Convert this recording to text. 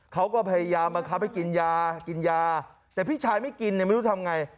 เขาก็พยายามบังคับให้กินยากินยาแต่พี่ชายไม่กินเนี่ยไม่รู้ทำไง